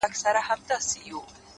چا زر رنگونه پر جهان وپاشل چيري ولاړئ،